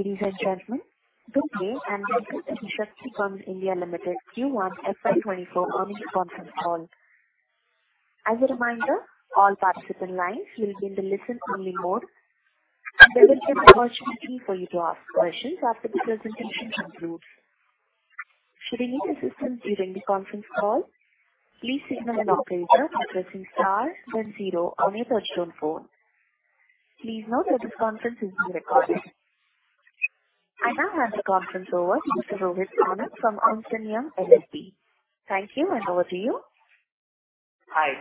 Ladies and gentlemen, good day and welcome to Shakti Pumps India Limited Q1 FY2024 earnings conference call. As a reminder, all participant lines will be in the listen-only mode. There will be an opportunity for you to ask questions after the presentation concludes. Should you need assistance during the conference call, please signal an operator by pressing star then zero on your touchtone phone. Please note that this conference is being recorded. I now hand the conference over to Mr. Rohit Anand from Ernst & Young LLP. Thank you, and over to you. Hi.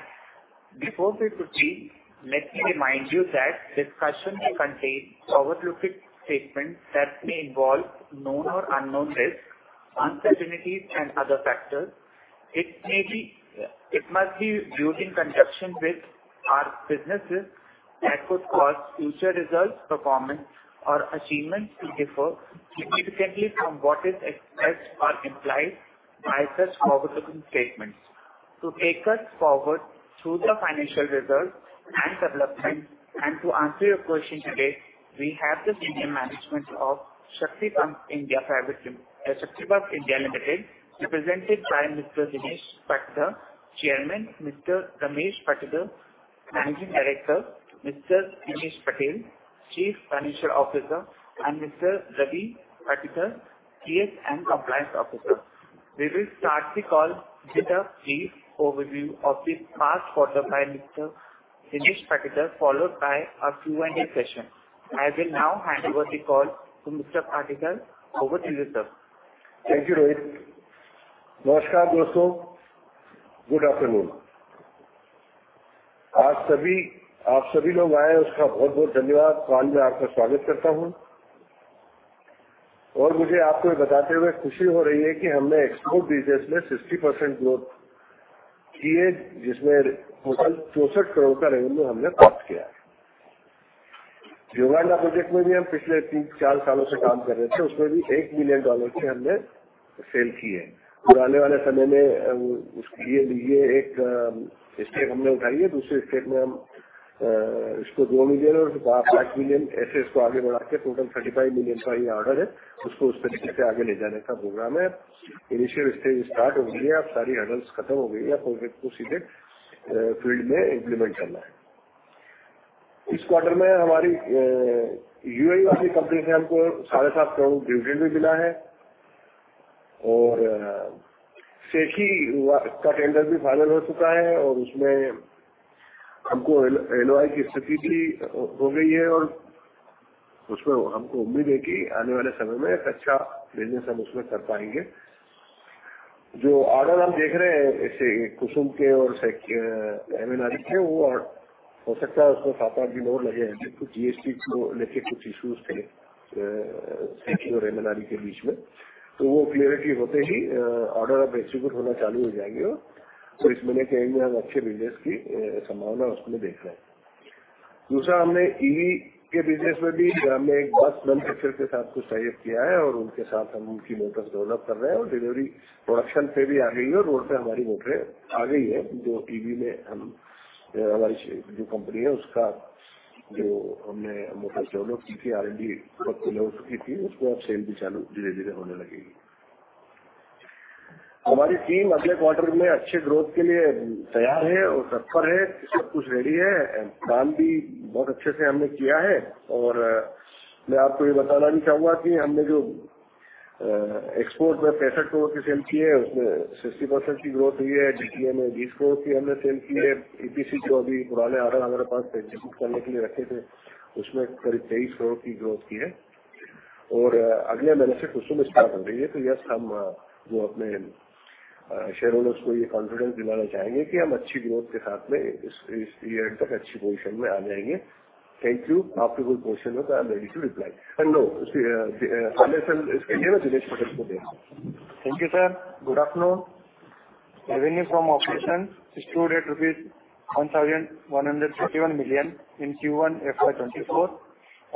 Before we proceed, let me remind you that discussions contain forward-looking statements that may involve known or unknown risks, uncertainties, and other factors that could cause future results, performance, or achievements to differ significantly from what is expressed or implied by such forward-looking statements. To take us forward through the financial results and development and to answer your questions today, we have the senior management of Shakti Pumps India Limited, represented by Mr. Dinesh Patidar, Chairman, Mr. Ramesh Patidar, Managing Director, Mr. Dinesh Patel, Chief Financial Officer, and Mr. Ravi Patidar, CS and Compliance Officer. We will start the call with a brief overview of this past quarter by Mr. Dinesh Patidar, followed by a Q&A session. I will now hand over the call to Mr. Patidar. Over to you, sir. Thank you, Rohit. Namaskar, dosto. Good afternoon.आज सभी, आप सभी लोग आए उसका बहुत-बहुत धन्यवाद। Call में आपका स्वागत करता हूं और मुझे आपको यह बताते हुए खुशी हो रही है कि हमने शेयरहोल्डर्स को यह कॉन्फिडेंस दिलाना चाहेंगे कि हम अच्छी ग्रोथ के साथ में इस, इस year तक अच्छी पोजीशन में आ जाएंगे। Thank you. Now to good questions, I am ready to reply. Answer इसके लिए मैं दिनेश पटेल को देता हूँ। Thank you, sir. Good afternoon. Revenue from operations stood at rupees 1,131 million in Q1 FY 2024.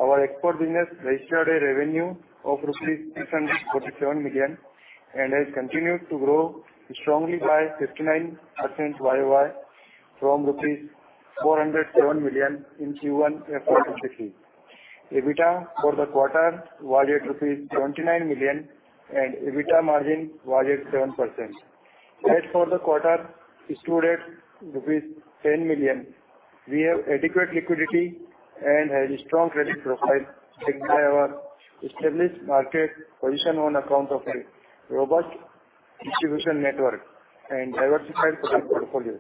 Our export business registered a revenue of rupees 647 million, and has continued to grow strongly by 59% YoY from INR 407 million in Q1 FY 2023. EBITDA for the quarter was at INR 29 million, and EBITDA margin was at 7%. PAT for the quarter stood at rupees 10 million. We have adequate liquidity and have a strong credit profile, established market position on account of a robust distribution network and diversified product portfolio.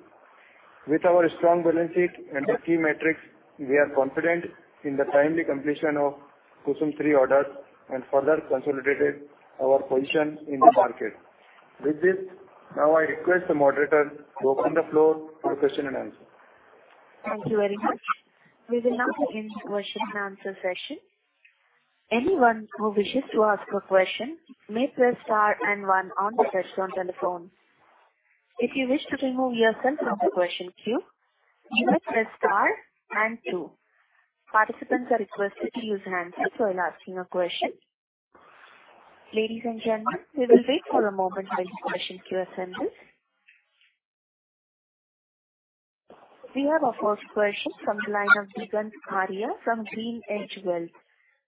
With our strong balance sheet and the key metrics, we are confident in the timely completion of Kusum Three orders and further consolidated our position in the market. With this, now I request the moderator to open the floor for question and answer. Thank you very much. We will now begin the question and answer session. Anyone who wishes to ask a question may press star and one on the touchtone telephone. If you wish to remove yourself from the question queue, you may press star and two. Participants are requested to use hands while asking a question. Ladies and gentlemen, we will wait for a moment while the question queue assembles. We have a first question from the line of Digant Haria from GreenEdge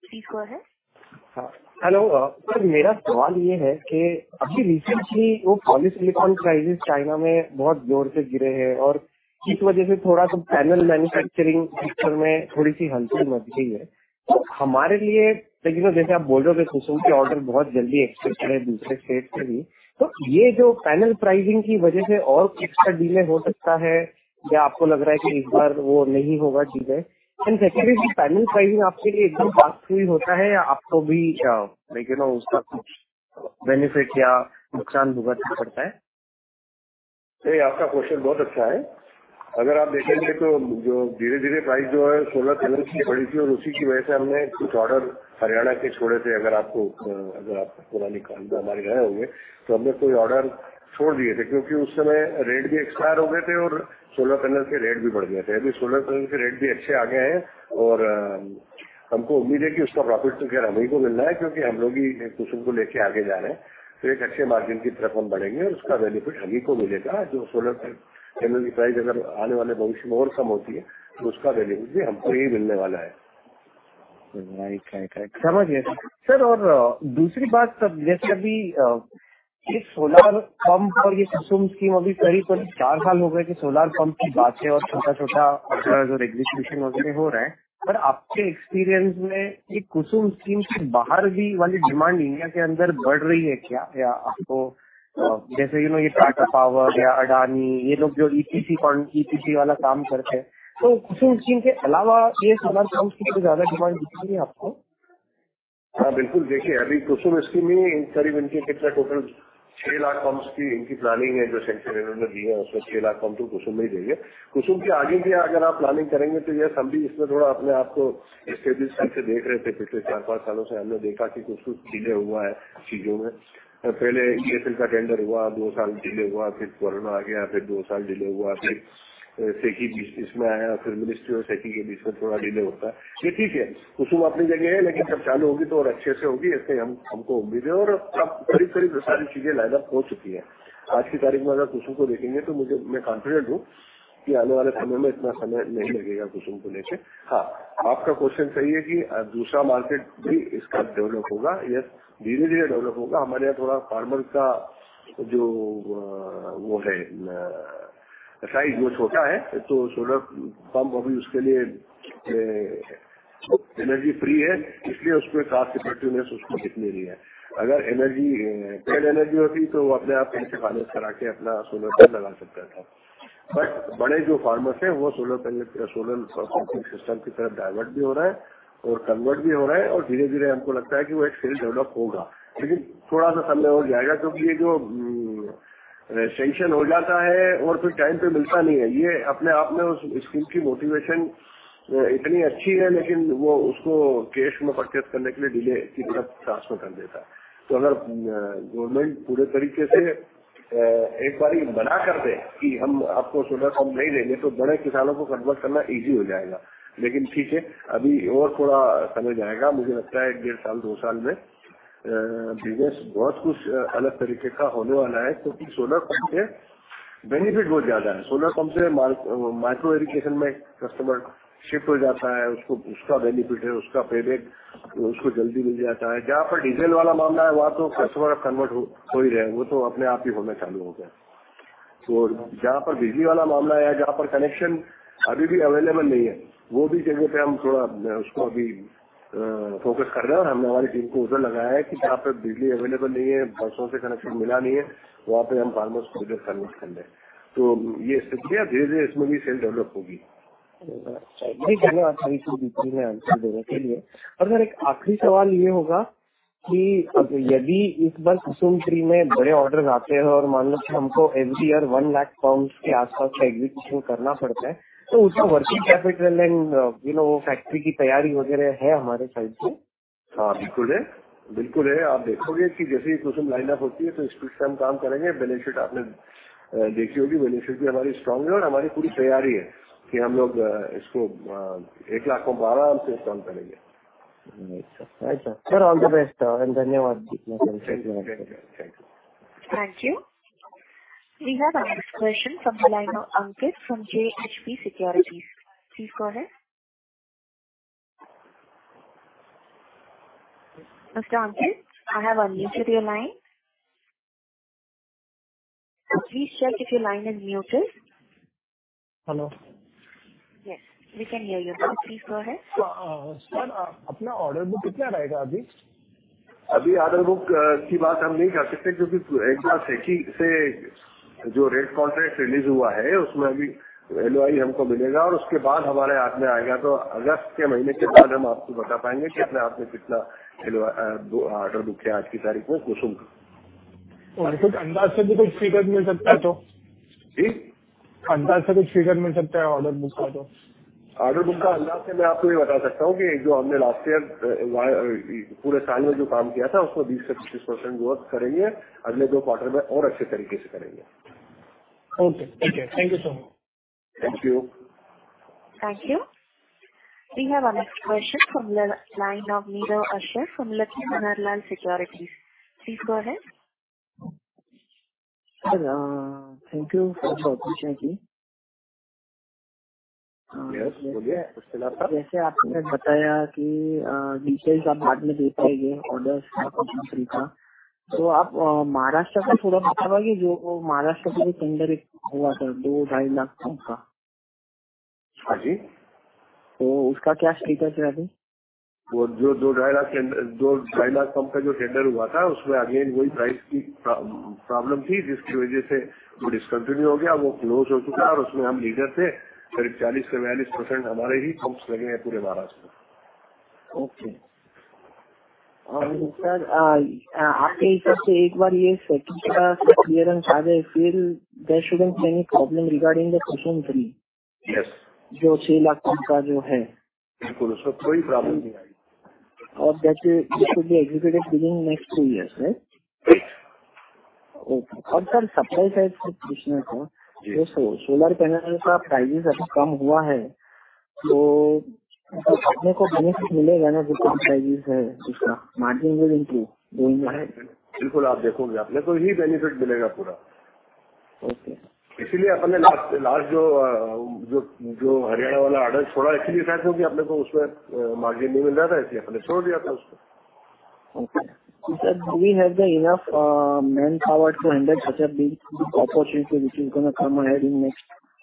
Wealth. Please go ahead. हां hello sir, मेरा सवाल यह है कि अभी recently वो polysilicon price China में बहुत जोर से गिरे हैं और इसकी वजह से थोड़ा सा panel manufacturing sector में थोड़ी सी हलचल मच गई है। तो हमारे लिए जैसे आप बोलोगे KUSUM के orders बहुत जल्दी expected हैं, दूसरे states से भी, तो यह जो panel pricing की वजह से और extra delay हो सकता है या आपको लग रहा है कि इस बार वह नहीं होगा? ठीक है और actually panel pricing आपके लिए एकदम pass होता है या आपको भी उसका कुछ benefit या का जो वो है, size जो छोटा है तो solar pump अभी उसके लिए energy free है, इसलिए उसमें cost affordability उसको दिखनी रही है। अगर energy paid energy होती तो वो अपने आप पैसे खर्च करके अपना solar panel लगा सकता था। But बड़े जो farmers हैं, वह solar system की तरफ divert भी हो रहा है और convert भी हो रहा है और धीरे धीरे हमको लगता है कि वो एक sale develop होगा, लेकिन थोड़ा सा समय और जाएगा क्योंकि जो sanction हो जाता है और फिर time पर मिलता नहीं है। ये अपने आप में उस scheme की motivation इतनी अच्छी है, लेकिन वो उसको cash में purchase करने के लिए delay की तरह साथ में कर देता है। तो अगर government पूरे तरीके से एक बार ही मना कर दे कि हम आपको solar pump नहीं देंगे तो बड़े किसानों को convert करना easy हो जाएगा। लेकिन ठीक है, अभी और थोड़ा समय जाएगा। मुझे लगता है एक डेढ़ साल Two साल में business बहुत कुछ अलग तरीके का होने वाला है क्योंकि solar pump से benefit बहुत ज्यादा है। Solar pump से micro irrigation में customer shift हो जाता है। उसको उसका benefit है, उसका payback उसको जल्दी मिल जाता है। जहां पर diesel वाला मामला है, वहां तो customer convert हो ही रहे हैं। वो तो अपने आप ही होना चालू हो गए हैं। तो जहां पर बिजली वाला मामला है या जहां पर connection अभी भी available नहीं है, वो भी जगह पे हम थोड़ा उसको अभी focus कर रहे हैं। हमने हमारी team को उधर लगाया है कि जहां पर बिजली available नहीं है, BSES से connection मिला नहीं है, वहां पे हम farmers को convert करने। तो यह धीरे धीरे इसमें भी sale develop होगी। ठीक है, सही सही आंसर देने के लिए। और एक आखिरी सवाल यह होगा कि यदि इस बार कुसुम थ्री में बड़े ऑर्डर्स आते हैं और मान लो कि हमको every year one lakh pump के आसपास का एग्जीक्यूशन करना पड़ता है, तो उसका working capital and you know, factory की तैयारी वगैरह है हमारे साइड से। हां, बिल्कुल है, बिल्कुल है। आप देखोगे कि जैसे ही कुसुम लाइनअप होती है, तो स्पीड से हम काम करेंगे। बेनिफिट आपने देखी होगी। बेनिफिट भी हमारी स्ट्रांग है और हमारी पूरी तैयारी है कि हम लोग इसको एक लाख पंप आराम से हैंडल करेंगे। अच्छा sir, all the best and धन्यवाद! Thank you. Thank you. We have next question from the line of Ankit from JHP Securities. Please go ahead. Mr. Ankit, I have unmuted your line. Please check if your line is muted. Hello. Yes, we can hear you. Please go ahead. अपना order book कितना रहेगा अभी? अभी order book की बात हम नहीं कर सकते, क्योंकि एक बार से जो रेट कॉन्ट्रैक्ट रिलीज हुआ है, उसमें अभी वैल्यू हमें मिलेगा और उसके बाद हमारे हाथ में आएगा। तो अगस्त के महीने के बाद हम आपको बता पाएंगे कि हमारे हाथ में कितना ऑर्डर बुक है। आज की तारीख में कुसुम। अंदाजे से भी कुछ फिगर मिल सकता है तो। जी। अंदाजे से कुछ फिगर मिल सकता है ऑर्डर बुक का तो। ऑर्डर बुक का अंदाजे से मैं आपको यह बता सकता हूं कि जो हमने लास्ट ईयर पूरे साल में जो काम किया था, उसमें से 20% से 25% और करेंगे। अगले दो क्वार्टर में और अच्छे तरीके से करेंगे। Okay, thank you. Thank you so much. Thank you. Thank you. We have next question from the line of from Laxmi Vihar Lal Securities. Please go ahead. Sir, thank you for clarity! Yes, speak. जैसे आपने बताया कि details आप बाद में देते हैं, orders का कौन सा तरीका, तो आप महाराष्ट्र का थोड़ा बताओ कि जो महाराष्ट्र के लिए टेंडर हुआ था 2.5 lakh पंप का। हां जी। तो उसका क्या स्टेटस है अभी? वो जो INR 2-INR 2.5 लाख टेंडर, जो INR 2.5 लाख पंप का जो टेंडर हुआ था, उसमें अगेन वही प्राइस की प्रॉब्लम थी, जिसकी वजह से वो डिसकंटिन्यू हो गया। वो क्लोज हो चुका है और उसमें हम लीडर थे। करीब 40% से 42% हमारे ही पंप्स लगे हैं, पूरे महाराष्ट्र में। ओके। और सर, आपके इस पर से एक बार यह सीटी का क्लीयरेंस आ जाए, फिर there shouldn't be any problem regarding the Kusum three. Yes. जो INR 6 लाख पंप का जो है। बिल्कुल, उसका कोई प्रॉब्लम नहीं आएगी। और जैसे it should be executed within next two years, right? Right. Okay, और सर सप्लाई साइड से पूछना था कि सोलर पैनल का प्राइस अभी कम हुआ है तो अपने को बेनिफिट मिलेगा ना? जो प्राइस है, उसका मार्जिन विल इंप्रूव, उसमें। बिल्कुल, आप देखोगे अपने को ही बेनिफिट मिलेगा पूरा। ओके। इसीलिए अपने लास्ट, लास्ट जो हरियाणा वाला ऑर्डर छोड़ा, एक्चुअली क्योंकि अपने को उसमें मार्जिन नहीं मिल रहा था। इसलिए हमने छोड़ दिया था उसको। Okay, sir, we have the enough manpower to handle such a big opportunity, which is going to come ahead in next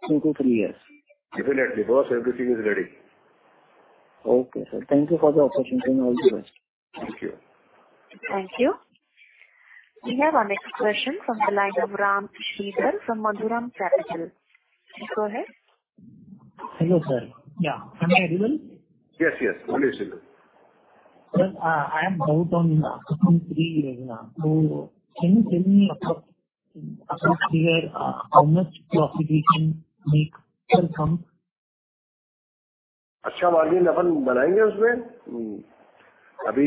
two to three years. Definitely boss, everything is ready. Okay sir, thank you for the opportunity and all the best. Thank you. Thank you. We have our next question from the line of Ram Sridhar from Madhuram Capital. Yes, go ahead. Hello sir! Yeah, am I heard? Yes, yes. बोलिए Sridhar. Sir, I am about to enquire about Kusum Three Yojana. Can you tell me about it clearly? How much profit we can make per pump? अच्छा margin अपन बनाएंगे उसमें। अभी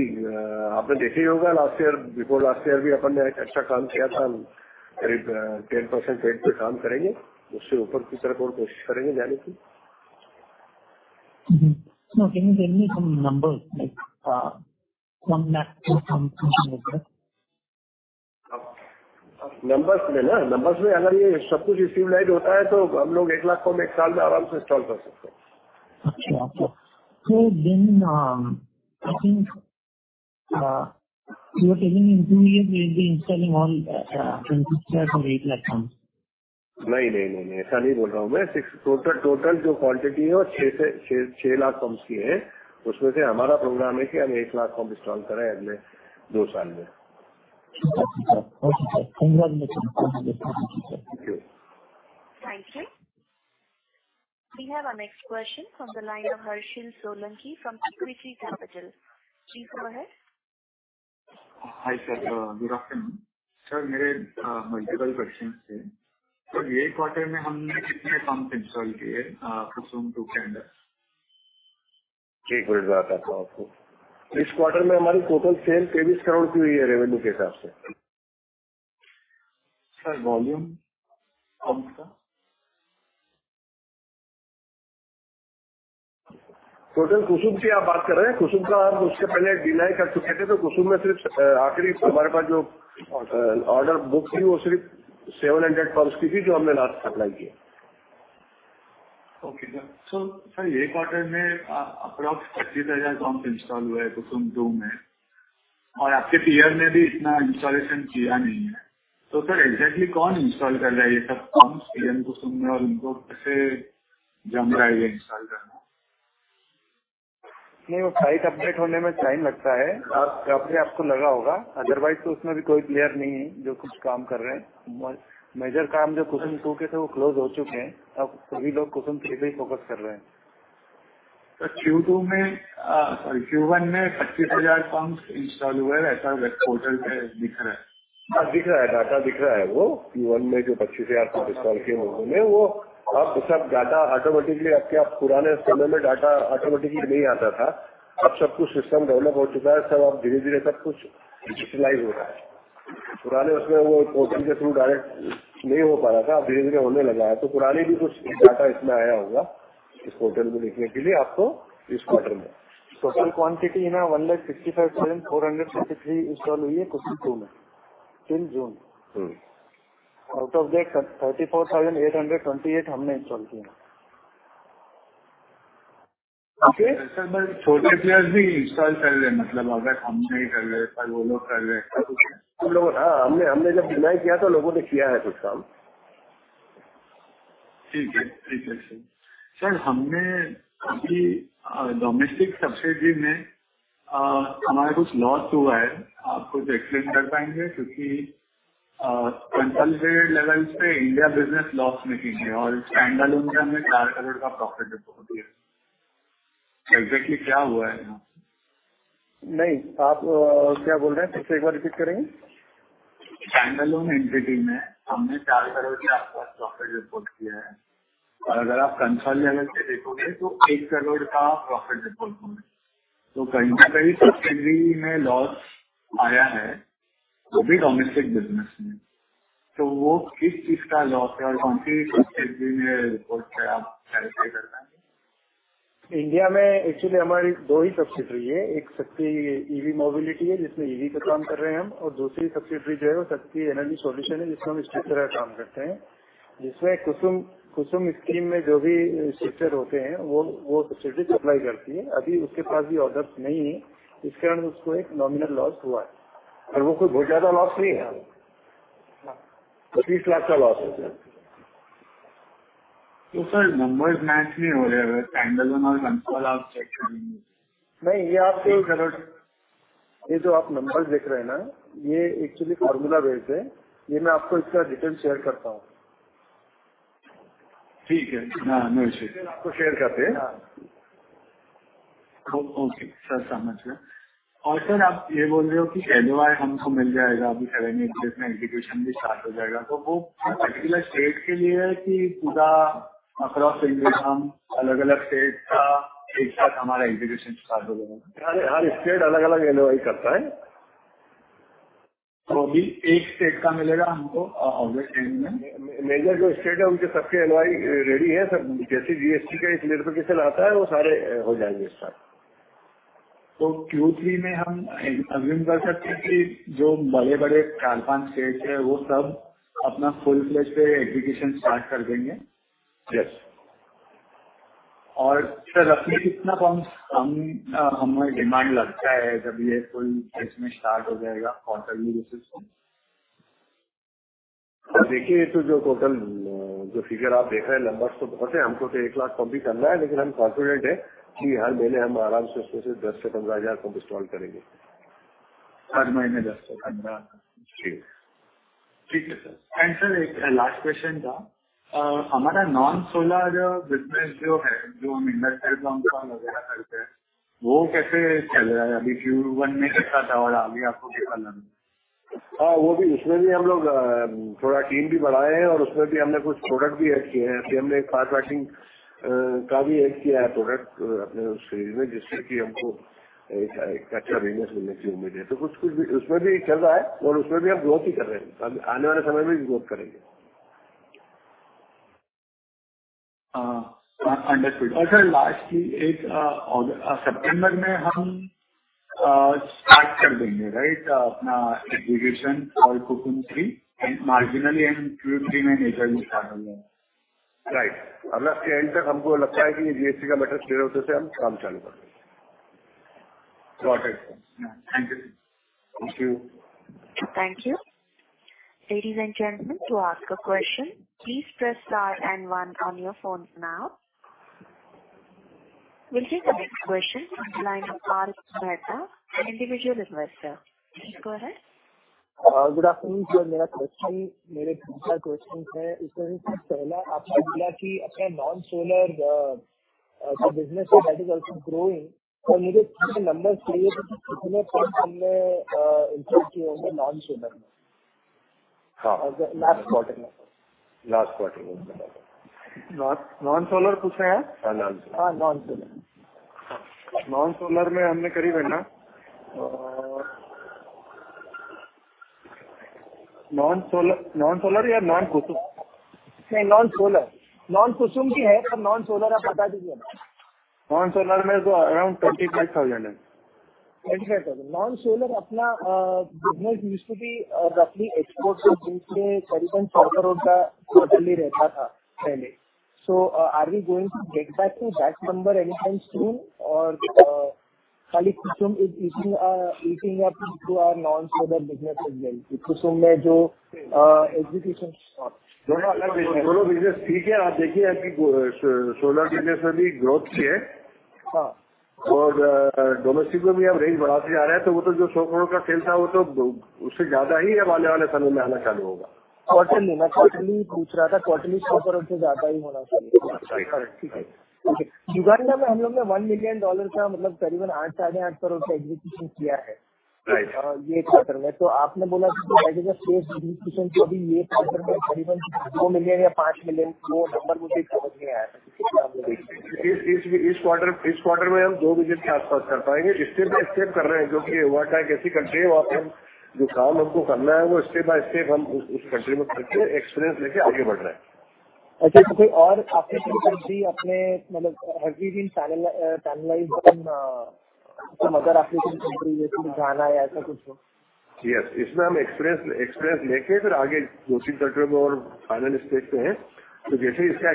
आपने देखा ही होगा last year, before last year भी अपन ने अच्छा काम किया था। करीब 10% रेट पर काम करेंगे। उससे ऊपर की तरफ और कोशिश करेंगे जाने की। तो क्या आप मुझे कुछ नंबर बता सकते हैं जैसे एक लाख दो कुछ? नंबर में ना, नंबर्स में अगर ये सब कुछ रिफाइंड होता है तो हम लोग one लाख पंप one साल में आराम से इंस्टॉल कर सकते हैं। अच्छा, तो then I think you are saying in two years, we will be installing on two, three lakh pumps. नहीं, नहीं, नहीं, नहीं, ऐसा नहीं बोल रहा हूं मैं। टोटल टोटल जो क्वांटिटी है वो 6 से 6, 6 लाख पंप्स की है। उसमें से हमारा प्रोग्राम है कि हम 1 लाख पंप इंस्टॉल करें, अगले दो साल में। Okay sir, thank you very much! Thank you. We have our next question from the line of Harshil Solanki from Equitree Capital. Please go ahead. Hi sir, good afternoon. Sir, मेरे multiple question हैं। Sir, ये quarter में हमने कितने pump install किए हैं, Kusum two tender. एक minute, बताता हूं आपको। इस क्वार्टर में हमारी टोटल सेल INR 23 करोड़ हुई है, रेवेन्यू के हिसाब से। सर, वॉल्यूम पंप्स का? टोटल कुसुम की आप बात कर रहे हैं। कुसुम का हम उसके पहले डिनाई कर चुके थे तो कुसुम में सिर्फ आखिरी हमारे पास जो ऑर्डर बुक थी, वो सिर्फ 700 पंप्स की थी, जो हमने लास्ट अप्लाई किया। ओके सर, सो सर एक क्वार्टर में आप अप्रॉक्स पच्चीस हज़ार पंप्स इंस्टॉल हुए हैं, कुसुम टू में और आपके ईयर में भी इतना इंस्टॉलेशन किया नहीं है। तो सर, एक्ज़ैक्टली कौन इंस्टॉल कर रहा है, ये सब पंप्स, और इनको कैसे जम रहा है ये इंस्टॉल करना? नहीं, वो साइट अपडेट होने में टाइम लगता है। आपको लगा होगा। अदरवाइज तो उसमें भी कोई प्लेयर नहीं है, जो कुछ काम कर रहे हैं। मेजर काम जो कुसुम टू के थे, वो क्लोज हो चुके हैं। अब सभी लोग कुसुम थ्री पर ही फोकस कर रहे हैं। सर, Q2 में, सॉरी, Q1 में INR 25,000 पंप्स इंस्टॉल हुए हैं, ऐसा वेब पोर्टल पर दिख रहा है। हां, दिख रहा है, डाटा दिख रहा है। वो Q1 में जो INR 25,000 इंस्टॉल किए हैं, वो अब सब डाटा ऑटोमेटिकली अब क्या पुराने समय में डाटा ऑटोमेटिकली नहीं आता था। अब सब कुछ सिस्टम डेवलप हो चुका है। सब अब धीरे धीरे सब कुछ डिजिटलाइज हो रहा है। पुराने उसमें वो पोर्टल के थ्रू डायरेक्ट नहीं हो पा रहा था। अब धीरे धीरे होने लगा है तो पुरानी भी कुछ डाटा इसमें आया होगा। इस पोर्टल में दिखने के लिए आपको इस क्वार्टर में। टोटल क्वांटिटी में 1 लाख 55 हजार 453 इंस्टॉल हुई है, और आप check करें। नहीं, ये आप ये जो आप नंबर्स देख रहे हैं ना, ये actually formula based है। ये मैं आपको इसका detail share करता हूं। ठीक है, हां, नो इश्यू। आपको शेयर करते हैं। please press star and one on your phone now. We'll take the next question line R Mehta, Individual Investor, go ahead. Good afternoon, मेरे दो तीन क्वेश्चन हैं। इसमें से पहला आपने बोला कि अपना non solar business, that is also growing. तो मुझे नंबर्स चाहिए कि कितने पंप हमने इंस्टॉल किए होंगे नॉन सोलर में, लास्ट क्वार्टर में। लास्ट क्वार्टर में नॉन सोलर पूछ रहे हैं। Non solar. नॉन सोलर में हमने करीबन... नॉन सोलर, नॉन सोलर या नॉन कुसुम? नहीं, नॉन सोलर, नॉन कुसुम भी है पर नॉन सोलर आप बता दीजिए। नॉन सोलर में अराउंड INR 25,000 है। नॉन सोलर अपना बिजनेस यूज़ टू बी रफली एक्सपोर्ट्स से, जिसके करीबन INR 100 करोड़ का टर्नओवर रहता था पहले। So are we going to get back to that number anytime soon? और खाली Kusum easing are easing up to our non solar business as well. Kusum में जो एक्जीक्यूशन। दोनों अलग बिजनेस, दोनों बिजनेस ठीक है। आप देखिए अभी सोलर बिजनेस में भी ग्रोथ की है। डोमेस्टिक में भी हम रेंज बढ़ाते जा रहे हैं तो वो तो जो INR 100 करोड़ का सेल था, वो तो उससे ज्यादा ही अब आने वाले समय में आना चालू होगा। क्वार्टरली मैं पूछ रहा था, क्वार्टरली INR 100 करोड़ से ज्यादा ही होना चाहिए। ठीक है, जुबाना में हम लोगों ने $1 million का मतलब करीबन INR 8 साढ़े INR 8 करोड़ का एक्जीक्यूशन किया है। यह क्वार्टर में तो आपने बोला कि स्पेस एक्जीक्यूशन की अभी यह क्वार्टर में करीबन $2 million या $5 million वो नंबर मुझे समझ नहीं आया कि आप लोग। इस क्वार्टर में हम INR 2 million के आसपास कर पाएंगे। स्टेप बाय स्टेप कर रहे हैं, क्योंकि वाटा ऐसी कंट्री है, वहां पर जो काम हमको करना है, वो स्टेप बाय स्टेप हम उस कंट्री में करते हैं, एक्सपीरियंस लेकर आगे बढ़ रहे हैं। अच्छा, कोई और अफ्रीकी कंट्री अपने मतलब हर दिन टाइमलाइन, टाइमलाइन में मदर अफ्रीकन कंट्री में जाना है, ऐसा कुछ। Yes, इसमें हम experience experience लेकर फिर आगे दूसरी country में और final stage पे हैं। तो जैसे ही इसका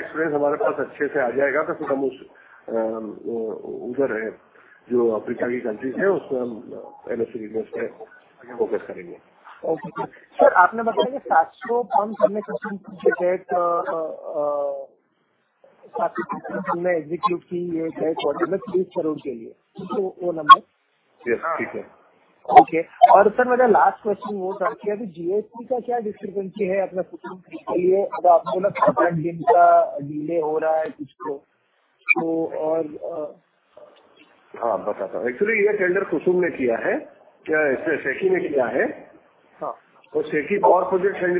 experience हमारे पास अच्छे से आ जाएगा, तो फिर हम उस उधर है, जो Africa की country है, उसमें हम focus करेंगे। ओके सर, आपने बताया कि सात सौ पंप हमने कुसुम के तहत हमने एग्जीक्यूट किए, यह क्वार्टर में INR 3 करोड़ के लिए वो नंबर। हां, ठीक है। ओके और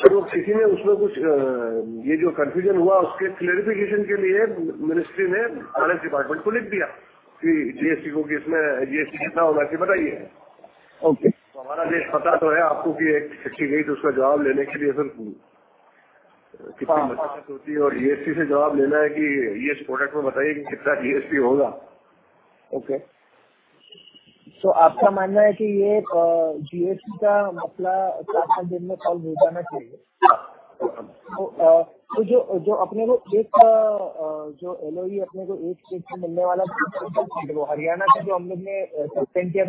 में solve हो जाना चाहिए। तो जो अपने को एक जो LOI अपने को एक state से मिलने वाला है, वो हरियाणा से जो हम लोग ने suspend किया था,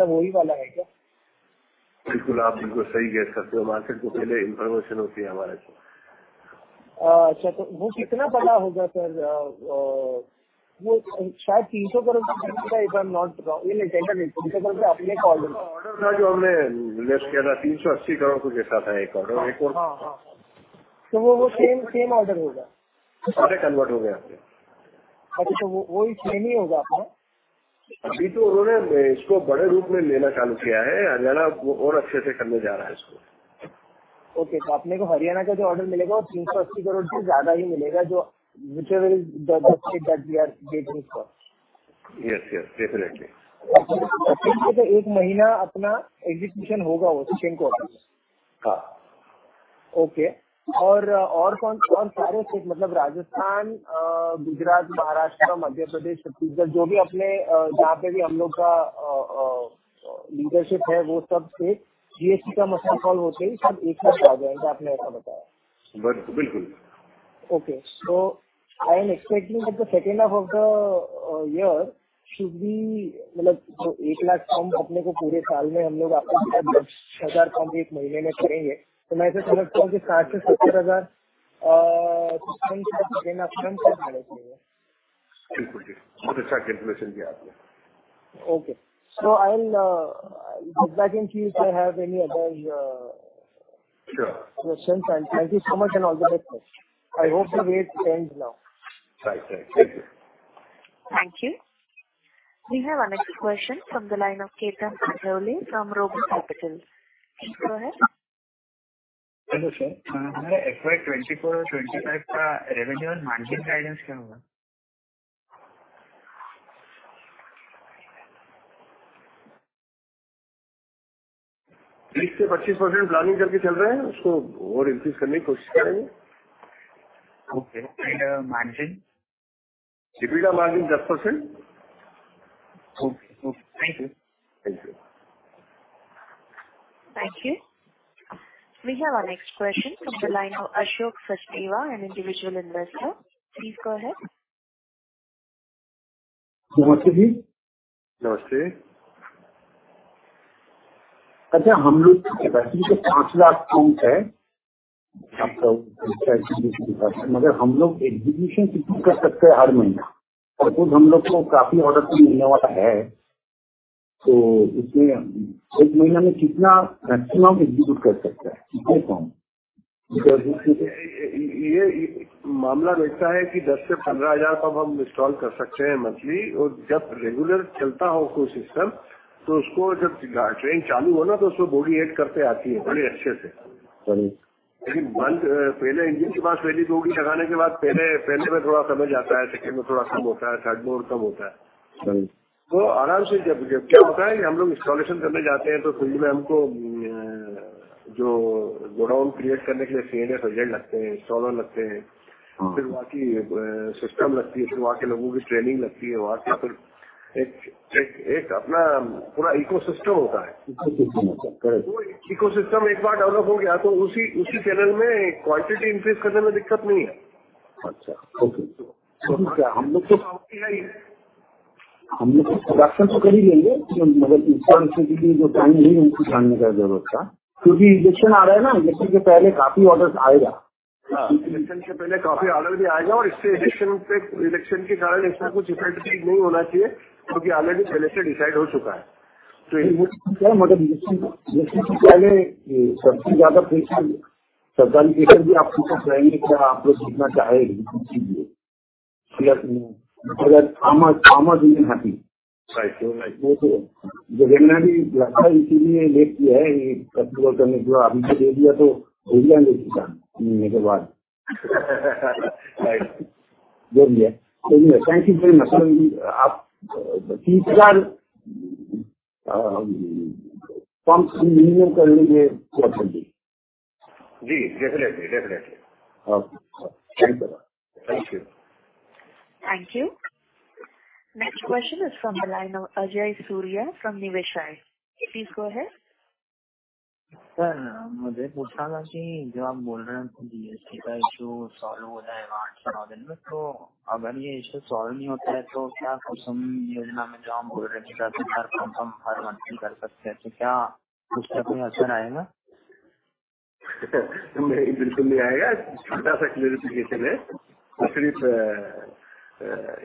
वही वाला है क्या? बिल्कुल, आप बिल्कुल सही guess करते हो। Market को पहले information होती है हमारे से। अच्छा तो वो कितना बड़ा होगा सर? वो शायद INR 300 करोड़ का, अगर आई एम नॉट, नहीं नहीं INR 300 करोड़ से ऊपर का ऑर्डर। ऑर्डर था जो हमने लिस्ट किया था। INR 380 करोड़ के साथ आया एक ऑर्डर। हां, तो वो same same order होगा। ऑर्डर कन्वर्ट हो गया है। वो ही सेम ही होगा। अभी तो उन्होंने इसको बड़े रूप में लेना चालू किया है। आगे और अच्छे से करने जा रहा है इसको। ओके, तो अपने को हरियाणा का जो ऑर्डर मिलेगा वो INR 380 करोड़ से ज्यादा ही मिलेगा जो we are giving for. Yes yes definitely. एक महीना अपना एग्जीबिशन होगा चेन्नई में। हां। ओके और और कौन? और सारे स्टेट मतलब राजस्थान, गुजरात, महाराष्ट्र, मध्य प्रदेश, छत्तीसगढ़ जो भी अपने जहां पर भी हम लोग का लीडरशिप है, वो सब स्टेट GST का मसला सॉल्व होते ही सब एक में आ जाएंगे। आपने ऐसा बताया। बिल्कुल। ओके, तो मैं एक्सपेक्ट कर रहा हूं कि second half of the year should be. मतलब एक लाख पंप अपने को पूरे साल में हम लोग आठ हजार पंप एक महीने में करेंगे तो मैं तो सोचता हूं कि साठ से सत्तर हजार हमें मिलना चाहिए। बिल्कुल बहुत अच्छा कैलकुलेशन किया आपने। Okay! So I will get back to you if I have any other question. Thank you so much and all the best. I hope you get change now. Thank you. Thank you. We have a next question from the line of Ketan Athavale from RoboCapital. Please go ahead. Hello sir, FY 2024-2025 का revenue और margin guidance क्या होगा? 30% से 25% planning करके चल रहे हैं। उसको और इंक्रीज करने की कोशिश करेंगे। Okay margin. EBITA margin 10%। Okay thank you. Thank you. We have a next question from the line of Ashok Srivastava, an individual investor. Please go ahead. नमस्ते जी। नमस्ते। अच्छा, हम लोग पांच लाख पंप है, मगर हम लोग एग्जीबिशन कितने कर सकते हैं हर महीने और हम लोग को काफी ऑर्डर मिलने वाला है तो इसमें एक महीने में कितना मैक्सिमम एग्जीबिशन कर सकते हैं? यह मामला रहता है कि 10 से 15 हज़ार पंप हम इंस्टॉल कर सकते हैं मंथली और जब रेगुलर चलता हो, कोई सिस्टम तो उसको जब ट्रेन चालू हो ना तो वो बॉडी ऐड करते आती है। बड़े अच्छे से। पहले इंजीनियर के पास पहली दो भी लगाने के बाद पहले पहले में थोड़ा समय जाता है। सेकंड में थोड़ा कम होता है, थर्ड में और कम होता है। आराम से जब क्या होता है कि हम लोग इंस्टॉलेशन करने जाते हैं तो फिर हमको जो गोडाउन क्रिएट करने के लिए सीएनएस एजेंट लगते हैं, सोल्डर लगते हैं, फिर वहां की सिस्टम लगती है। वहां के लोगों की ट्रेनिंग लगती है। वहां पर एक अपना पूरा इकोसिस्टम होता है। इकोसिस्टम एक बार डेवलप हो गया तो उसी उसी चैनल में क्वांटिटी इंक्रीज करने में दिक्कत नहीं है। अच्छा ओके, हम लोग तो हम लोग प्रोडक्शन तो कर ही लेंगे। मगर जो टाइम नहीं उनको जानने का जरूरत था, क्योंकि इलेक्शन आ रहा है ना। इलेक्शन से पहले काफी ऑर्डर आएगा। इलेक्शन से पहले काफी ऑर्डर भी आएगा और इससे इलेक्शन पे इलेक्शन के कारण इतना कुछ इफेक्ट नहीं होना चाहिए, क्योंकि ऑलरेडी पहले से डिसाइड हो चुका है। तो मतलब इलेक्शन से पहले सबसे ज्यादा पैसे सरकार भी आपसे कहेंगे कि क्या आप लोग जितना चाहे कुछ भी। I am happy. Right. इसीलिए लेट किया है। करने का अभी दे दिया तो हो गया। मेरे बाद। Thank you so much! आप INR 30,000 पंप मिनिमम कर लीजिए। जी, definitely, definitely. Okay thank you. Thank you. Next question is from the line of Ajay Surya from Niveshaay. Please go ahead. Sir, मुझे पूछना था कि जो आप बोल रहे हैं, GST का इश्यू सॉल्व हो जाएगा। आठ नौ दिन में तो अगर यह इश्यू सॉल्व नहीं होता है तो क्या कुसुम योजना में जो हम बोल रहे थे, हजार पंप हर मंथ कर सकते हैं तो क्या उससे कोई असर आएगा? नहीं, बिल्कुल नहीं आएगा। छोटा सा क्लेरिफिकेशन है, वो सिर्फ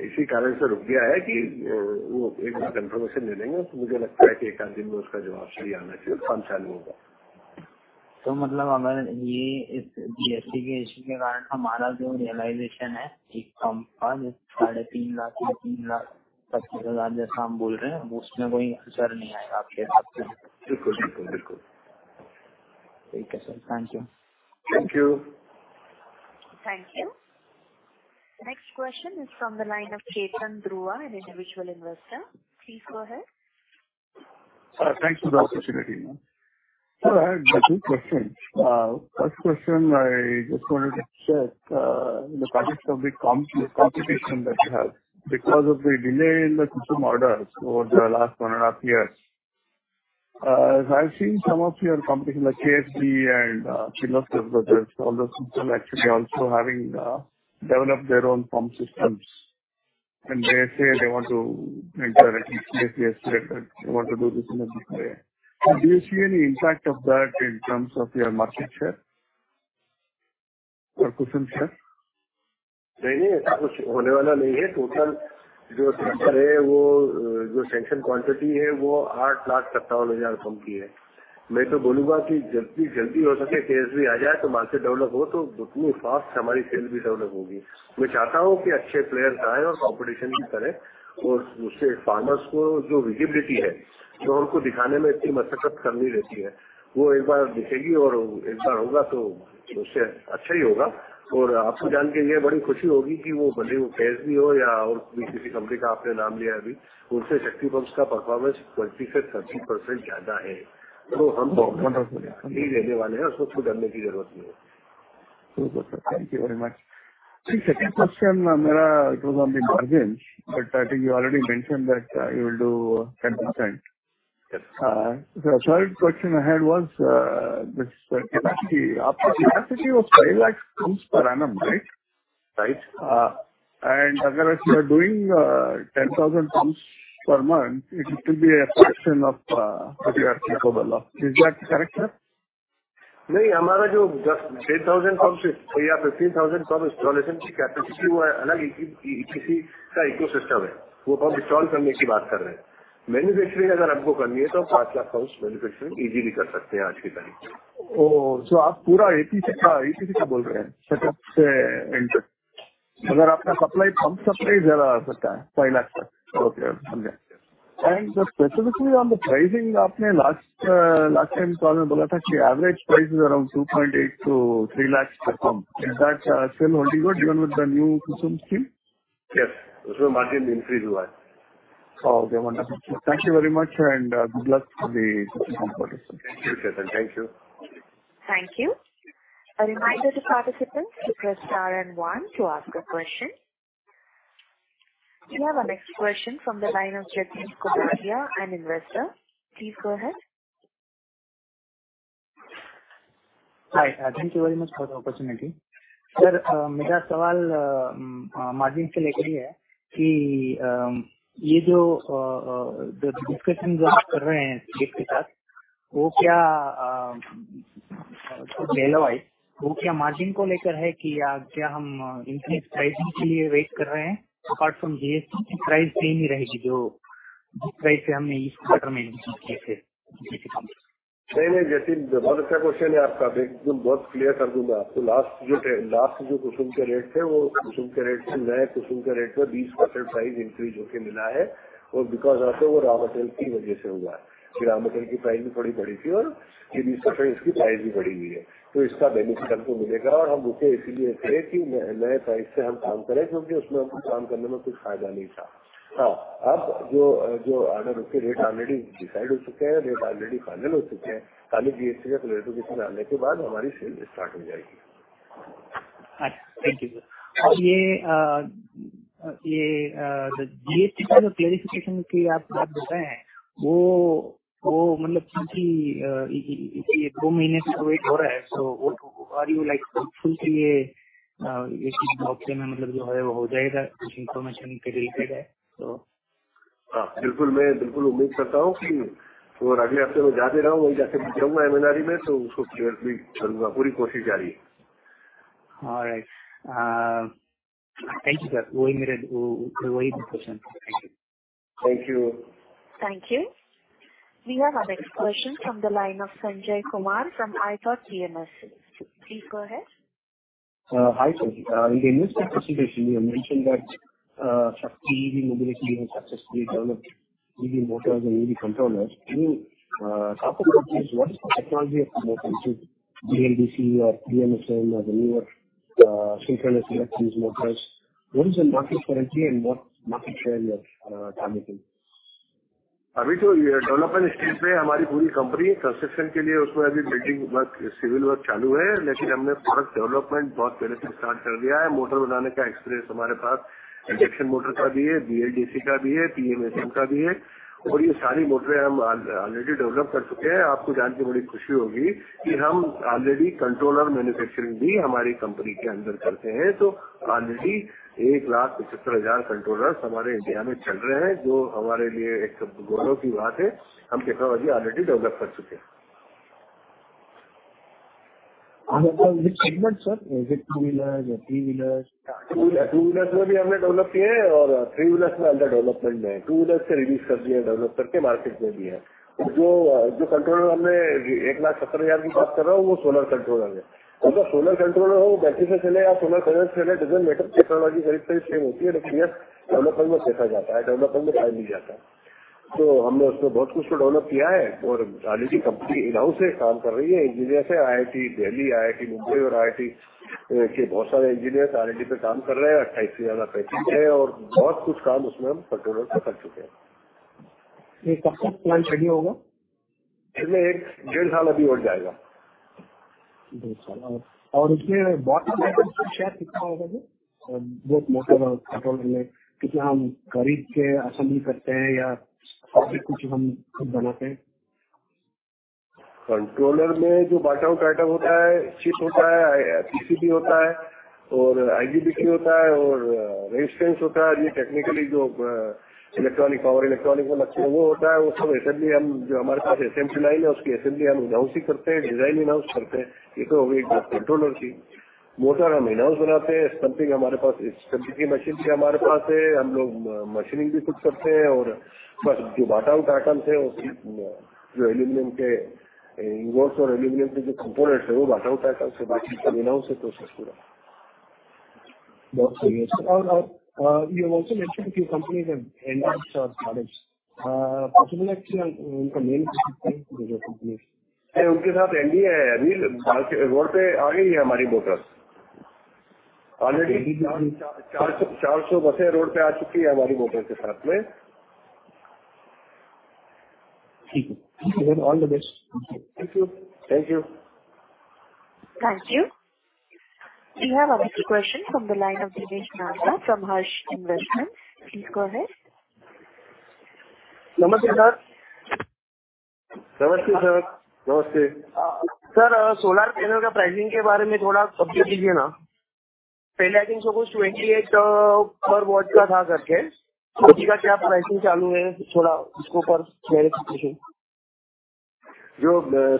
इसी कारण से रुक गया है कि वो एक बार कन्फर्मेशन ले लेंगे। मुझे लगता है कि एक-आध दिन में उसका जवाब सही आना चाहिए और काम चालू होगा। तो मतलब हमें ये GST के इश्यू के कारण हमारा जो रियलाइजेशन है, एक कम था, INR 3.25 लाख या INR 3 लाख 25 हजार जैसा हम बोल रहे हैं, उसमें कोई अंतर नहीं आएगा, आपके हिसाब से। बिल्कुल, बिल्कुल, बिल्कुल। ठीक है sir, thank you. Thank you. Thank you. Next question is from the line of Ketan Dhruv, an individual investor. Please go ahead. Thanks for the opportunity. Sir, I have two questions. First question, I just want to check the competition that you have, because of the delay in the order over the last one and half year. I have seen some of your competition like KSB and others, all the system actually also having develop their own pump systems and they say they want to, they want to do this. Do you see any impact of that in terms of your market share? और KUSUM share. नहीं, नहीं, ऐसा कुछ होने वाला नहीं है। Total जो है, वो जो सैंक्शन क्वांटिटी है, वो INR 8,57,000 पंप की है। मैं तो बोलूंगा कि जितनी जल्दी हो सके केस भी आ जाए तो मार्केट डेवलप हो, तो जितनी फास्ट हमारी सेल भी डेवलप होगी। मैं चाहता हूं कि अच्छे प्लेयर आएं और कॉम्पिटिशन भी करें और उससे फार्मर्स को जो विजिबिलिटी है, जो उनको दिखाने में इतनी मशक्कत करनी रहती है, वो एक बार दिखेगी और एक बार होगा तो उससे अच्छा ही होगा। और आपको जानकर ये बड़ी खुशी होगी कि वो भले वो केस भी हो या और किसी कंपनी का आपने नाम लिया, अभी उनसे शक्ति पंप्स का परफॉर्मेंस 20% से 30% ज्यादा है, तो हम देने वाले हैं, उसको कुछ डरने की जरूरत नहीं है। Thank you very much. Second question मेरा, it was on the margin, but I think you already mention that you will do. Third question I had was, capacity of 5 lakh pumps per annum, right? Right. And if you are doing 10,000 pumps per month, it will be a production of your capacity, is that correct sir? नहीं, हमारा जो 10,000 pumps या 15,000 pump installation की capacity है, वो एक किसी का ecosystem है। वो हम install करने की बात कर रहे हैं। Manufacturing अगर हमको करनी है तो INR 5 lakh pump manufacturing easily कर सकते हैं, आज की तारीख में। ओह! सो आप पूरा AC का EC का बोल रहे हैं, setup से अगर अपना supply pump supply ज्यादा सकता है, INR 5 lakh तक। Okay, understood and specifically on the pricing, आपने last time call में बोला था कि average price around 2.8-3 lakh per pump। Is that still only good, even with the new Kusum scheme। हां, उसमें मार्जिन इंक्रीज हुआ है। Okay, wonderful, thank you very much and good luck for the competition. Thank you! Thank you. A reminder to participants to press star and one to ask a question. We have a next question from the line of Jatin Kubadia, an investor. Please go ahead. Hi, thank you very much for the opportunity. Sir, मेरा सवाल margin से लेकर ही है कि ये जो discussion जो आप कर रहे हैं, के साथ वो क्या वैल्यू वाइज, वो क्या मार्जिन को लेकर है कि क्या हम प्राइसिंग के लिए वेट कर रहे हैं? अपार्ट फ्रॉम GST प्राइस वही रहेगी जो प्राइस से हमने इस क्वार्टर में किए थे। नहीं, नहीं, जतिन बहुत अच्छा क्वेश्चन है आपका। बिल्कुल बहुत क्लियर कर दूंगा आपको। लास्ट जो कुसुम के रेट थे, वो कुसुम के रेट से नए कुसुम के रेट में 20% प्राइस इंक्रीज होकर मिला है और because of वो रामतल की वजह से हुआ है। रामतल की प्राइस भी बड़ी बढ़ी थी और 20% इसकी प्राइस भी बढ़ी हुई है, तो इसका बेनिफिट आपको मिलेगा और हम रुकें इसलिए थे कि नए प्राइस से हम काम करें, क्योंकि उसमें हम काम करने में कुछ फायदा नहीं था। अब जो ऑर्डर के रेट already डिसाइड हो चुके हैं, रेट already फाइनल हो चुके हैं। खाली GST का क्लेरिफिकेशन आने के बाद हमारी सेल स्टार्ट हो जाएगी। Thank you sir. और ये, ये GST clarification की आप बात कर रहे हैं, वो मतलब क्योंकि दो महीने से wait हो रहा है तो are you like full के लिए, ये मतलब जो होगा वो हो जाएगा। कुछ information के लिए है तो। हां, बिल्कुल। मैं बिल्कुल उम्मीद करता हूं कि अगले हफ्ते मैं जा भी रहा हूं, वहीं जाकर मिलूंगा, MNRE में तो उसको क्लियर भी करूंगा। पूरी कोशिश जारी है। All right, thank you sir. वही मेरा, वही question. Thank you. Thank you. We have a next question from the line of Sanjay Kumar from iThought PMS. Please go ahead. Hi sir, in your presentation you mentioned that Shakti EV Mobility have successfully developed EV motor and EV controller. What is the technology of motor, is it BLDC or PMSM and new renewable electric motors? What is the market currently and market share you are targeting? अभी तो development stage पे हमारी पूरी company construction के लिए उसको अभी building work, civil work चालू है, लेकिन हमने प्रोडक्ट डेवलपमेंट बहुत पहले से स्टार्ट कर दिया है। मोटर बनाने का एक्सपीरियंस हमारे पास इंडक्शन मोटर का भी है, BLDC का भी है, PMSM का भी है और ये सारी मोटरें हम ऑलरेडी डेवलप कर चुके हैं। आपको जानकर बड़ी खुशी होगी कि हम ऑलरेडी कंट्रोलर मैन्युफैक्चरिंग भी हमारी कंपनी के अंदर करते हैं, तो ऑलरेडी 1,75,000 कंट्रोलर्स हमारे इंडिया में चल रहे हैं, जो हमारे लिए एक गर्व की बात है। हम टेक्नोलॉजी ऑलरेडी डेवलप कर चुके हैं। Two wheeler या three wheeler, two wheeler को भी हमने develop किया है और three wheeler अभी under development में है। Two wheeler release कर दिया, develop करके market में भी है। जो control हमने, एक लाख सत्तर हज़ार की बात कर रहा हूं, वह solar controller है। मतलब solar controller हो, वो battery से चले या solar panel से चले, doesn't matter, technology करीब करीब same होती है। Bus में देखा जाता है, में नहीं जाता। हमने उसमें बहुत कुछ develop किया है और company in-house से काम कर रही है। Engineers IIT Delhi, IIT Mumbai और IIT के बहुत सारे engineers तारणी पर काम कर रहे हैं। INR 28,000 budget है और बहुत कुछ काम उसमें हम control कर चुके हैं। यह कब तक प्लान रेडी होगा? इसमें एक डेढ़ साल अभी और जाएगा। और उसमें बहुत शेयर कितना होगा? जो मोटर कंट्रोल में कितना हम खरीद के असेंबली करते हैं या कुछ हम खुद बनाते हैं। कंट्रोलर में जो पार्ट आउट आइटम होता है, चिप होता है, PCB होता है और IGBT होता है और रेजिस्टेंस होता है। जो टेक्निकली जो इलेक्ट्रॉनिक पावर इलेक्ट्रॉनिक में रखते हैं, वो होता है। वो सब असेंबली हम जो हमारे पास असेंबली लाइन है, उसकी असेंबली हम इन-हाउस ही करते हैं। डिजाइन इन-हाउस करते हैं। ये तो हो गई कंट्रोलर की। मोटर हम इन-हाउस बनाते हैं। स्टैम्पिंग, हमारे पास की मशीन भी हमारे पास है। हम लोग मशीनिंग भी खुद करते हैं और बस जो पार्ट आउट आइटम से होती है, जो एल्युमिनियम के इनवॉल्व और एल्युमिनियम के कंपोनेंट्स हैं, वो पार्ट आउट आइटम से, बाकी इन-हाउस प्रोसेस पूरा। बहुत सही है और यू कंपनी एंड। उनका मेन। उनके साथ एमडी है। रोड पर आ गई है। हमारी मोटर ऑलरेडी चार सौ बसें रोड पर आ चुकी है। हमारी मोटर के साथ में। All the best! Thank you, thank you. Thank you. You have question from the line of Dinesh Nagda from Harsh Investment. Please go ahead. नमस्ते सर। नमस्ते सर, नमस्ते। सर, सोलर पैनल की प्राइसिंग के बारे में थोड़ा अपडेट दीजिए ना। पहले आई थिंक कुछ INR 28 पर वाट का था। अभी का क्या प्राइसिंग चालू है, थोड़ा इसके ऊपर बताइए। जो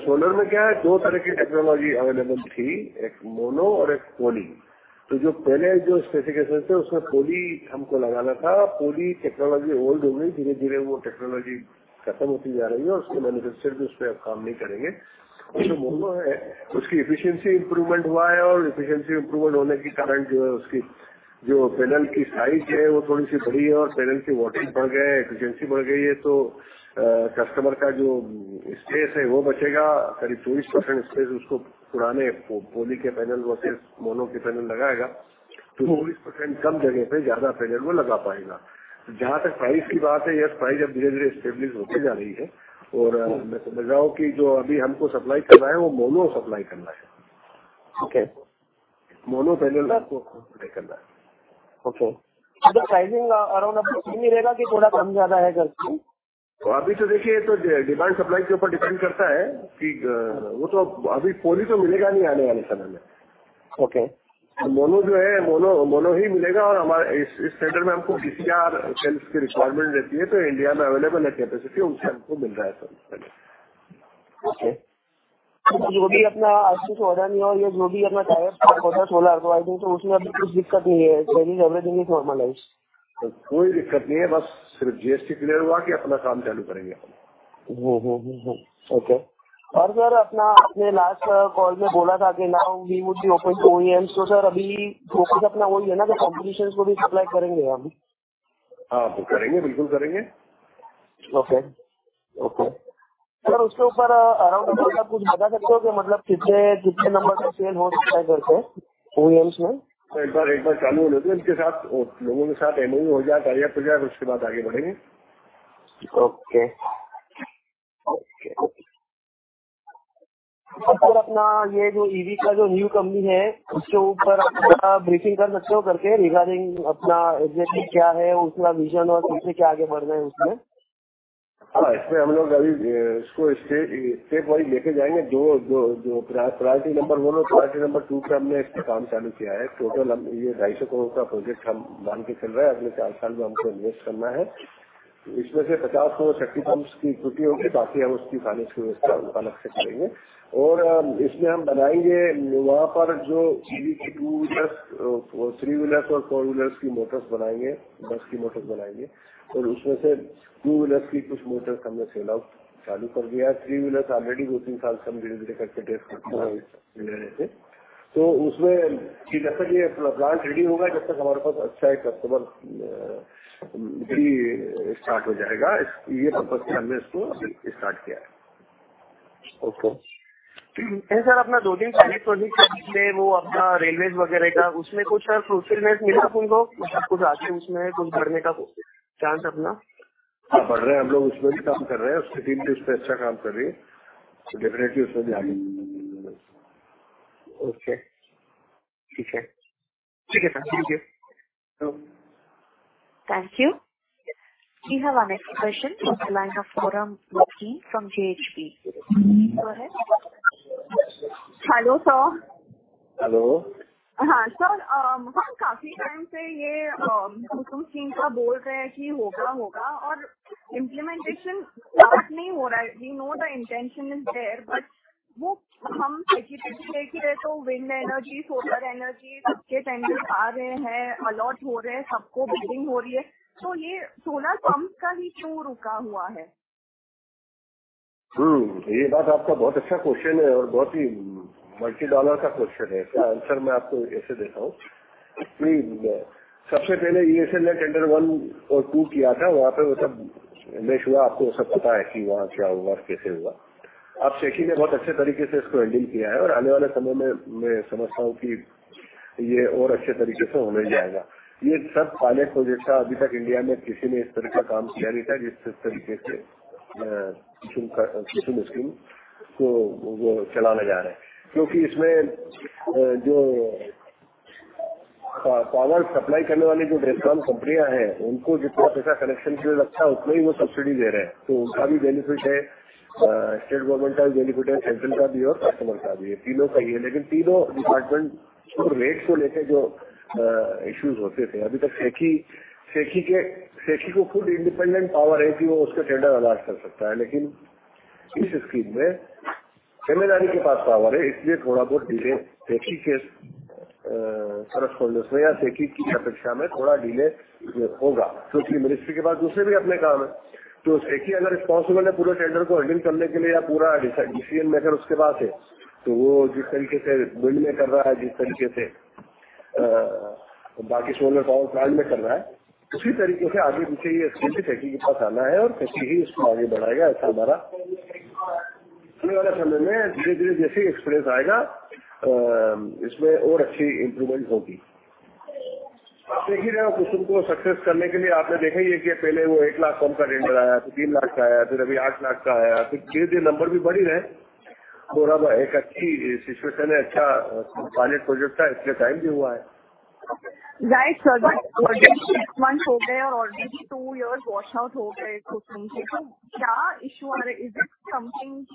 सोलर में क्या दो तरह की टेक्नोलॉजी अवेलेबल थी, एक मोनो और एक पॉली। तो जो पहले जो स्पेसिफिकेशन था, उसमें पॉली हमको लगाना था। पॉली टेक्नोलॉजी ओल्ड हो गई। धीरे धीरे वो टेक्नोलॉजी खत्म होती जा रही है और उसके मैन्युफैक्चरर भी उस पर अब काम नहीं करेंगे। जो मोनो है, उसकी एफिशिएंसी इंप्रूवमेंट हुआ है और एफिशिएंसी इंप्रूवमेंट होने की कारण जो है, उसकी जो पैनल की साइज है, वो थोड़ी सी बढ़ी है और पैनल की वाटें बढ़ गए हैं, एफिशिएंसी बढ़ गई है तो कस्टमर का जो स्पेस है वो बचेगा। करीब 24% स्पेस उसको पुराने पॉली के पैनल और मोनो के पैनल लगाएगा। तो 24% कम जगह पर ज्यादा पैनल वो लगा पाएगा। जहां तक प्राइस की बात है, प्राइस अब धीरे धीरे स्टेबलाइज होती जा रही है और मैं समझाऊं कि जो अभी हमको सप्लाई करना है, वो मोनो सप्लाई करना है। ओके मोनो पैनल करना है। ओके प्राइसिंग अराउंड अबाउट मिलेगा कि थोड़ा कम ज्यादा है। अभी तो देखिए तो डिमांड सप्लाई के ऊपर डिपेंड करता है कि वो तो अभी पॉलिसी तो मिलेगा नहीं आने वाले समय में। ओके। मोनो जो है मोनो मोनो ही मिलेगा और हमारे इस सेंटर में हमको DCR सेल्स की रिक्वायरमेंट रहती है तो इंडिया में अवेलेबल है। कैपेसिटी हमको मिल रहा है। ओके, जो भी अपना ऑर्डर्स हो रहा है या जो भी अपना डायरेक्ट सेल है तो उसमें अभी कुछ दिक्कत नहीं है। Everything is normalized. कोई दिक्कत नहीं है। बस सिर्फ GST क्लियर हुआ कि अपना काम चालू करेंगे। ओके और सर, अपना आपने लास्ट कॉल में बोला था कि now we must be open to OEM। तो सर अभी फोकस अपना वही है ना। तो कंपीटीशन को भी सप्लाई करेंगे हम। हां, करेंगे, बिल्कुल करेंगे। Okay okay. सर, उसके ऊपर अराउंड अबाउट कुछ बता सकते हो कि मतलब कितने कितने नंबर के सेल हो सकते हैं OEM में। एक बार चालू हो जाए, उनके साथ लोगों के साथ MOU हो जाए, कार्य हो जाए, उसके बाद आगे बढ़ेंगे। Okay, okay! सर, अपनी यह जो EV की जो नई कंपनी है, उसके ऊपर आप थोड़ा ब्रीफिंग कर सकते हो करके रिगार्डिंग अपना क्या है, उसका विजन और कैसे क्या आगे बढ़ना है उसमें। हां, इसमें हम लोग अभी इसको स्टेप बाय स्टेप लेकर जाएंगे। जो प्रायोरिटी नंबर वन और प्रायोरिटी नंबर टू पे हमने इस पर काम चालू किया है। टोटल हम INR 250 करोड़ का प्रोजेक्ट हम मान के चल रहे हैं। अगले चार साल में हमको इन्वेस्ट करना है। इसमें से INR 50 करोड़ शटी पंप्स की पूर्ति होगी। बाकी हम उसकी व्यवस्था अलग से करेंगे और इसमें हम बनाएंगे। वहां पर जो दो व्हीलर, थ्री व्हीलर और फोर व्हीलर की मोटर्स बनाएंगे, बस की मोटर्स बनाएंगे और उसमें से टू व्हीलर की कुछ मोटर्स हमने सेल आउट चालू कर दी है। थ्री व्हीलर ऑलरेडी दो तीन साल से हम धीरे धीरे करके टेस्ट कर रहे थे। तो उसमें जैसे ही प्लांट रेडी होगा, तब तक हमारे पास अच्छा कस्टमर भी स्टार्ट हो जाएगा। यह पर्पस से हमने इसको स्टार्ट किया है। ओके सर, अपना दो तीन प्रोडक्ट में वो अपना रेलवे वगैरह का, उसमें कुछ क्रूशियल मैट मिला तो आपको रात में उसमें बढ़ने का चांस अपना। बढ़ रहा है। हम लोग उसमें भी काम कर रहे हैं। उसकी टीम भी उस पर अच्छा काम कर रही है। डेफिनेटली उसमें भी आगे। ओके ठीक है, ठीक है। Thank you. Thank you. You have question from the line of Forum, Ruki from JHP. Go ahead! Hello sir. Hello. हां सर, काफी टाइम से यह कुसुम स्कीम का बोल रहे हैं कि होगा, होगा और इंप्लीमेंटेशन स्टार्ट नहीं हो रहा है। We know the intention is there, wash out हो गए। तो क्या issue आ रहा है? Something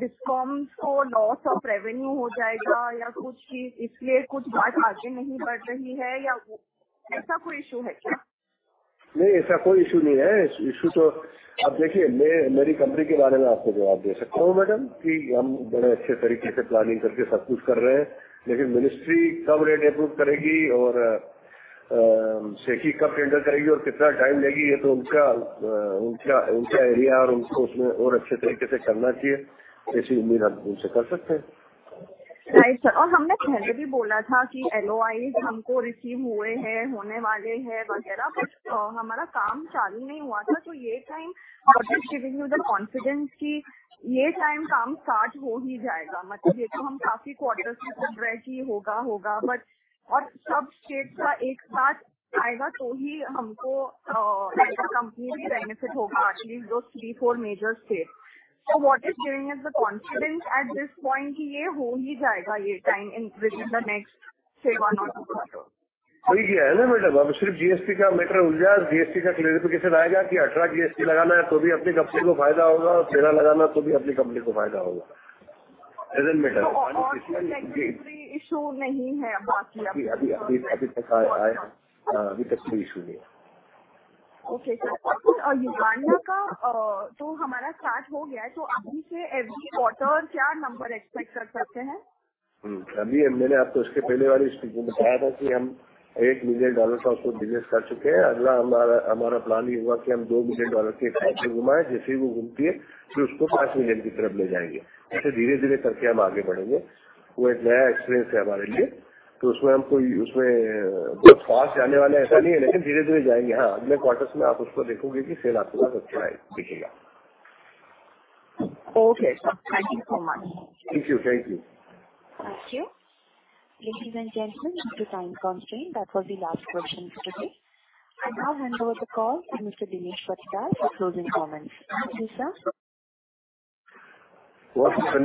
discount को loss of revenue हो जाएगा या कुछ, इसलिए कुछ बात आगे नहीं बढ़ रही है या ऐसा कोई issue है क्या? नहीं, ऐसा कोई इश्यू नहीं है। इश्यू तो आप देखिए, मैं मेरी कंपनी के बारे में आपको जवाब दे सकता हूं मैडम, कि हम बड़े अच्छे तरीके से प्लानिंग करके सब कुछ कर रहे हैं। लेकिन मिनिस्ट्री कब रेट अप्रूव करेगी और सेखी कब टेंडर जाएगी और कितना टाइम लगेगी, यह तो उनका उनका, उनका एरिया है और उनको उसमें और अच्छे तरीके से करना चाहिए, ऐसी उम्मीद हम उनसे कर सकते हैं। राइट और हमने पहले भी बोला था कि LOI हमको रिसीव हुए हैं, होने वाले हैं वगैरह। हमारा काम चालू नहीं हुआ था तो यह time what is giving you the confidence कि यह टाइम काम स्टार्ट हो ही जाएगा। मतलब यह तो हम काफी क्वार्टर से सुन रहे हैं कि होगा, होगा। और सब स्टेट का एक साथ आएगा तो ही हमको कंपनी भी बेनिफिट होगा। At least जो three four major states so what is giving the confidence at this point कि यह हो ही जाएगा। यह time Thank you for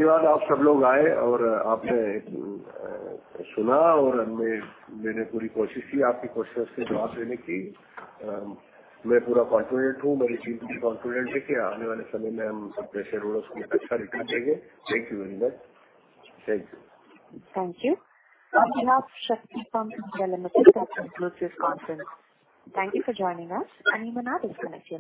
joining us and you can now disconnect your.